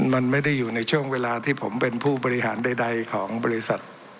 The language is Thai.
มันไม่ได้อยู่ในช่วงเวลาที่ผมเป็นผู้บริหารใดของบริษัท